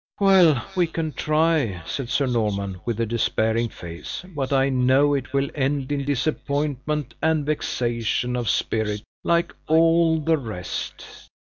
"Well, we can try," said Sir Norman, with a despairing face; "but I know it will end in disappointment and vexation of spirit, like all the rest!"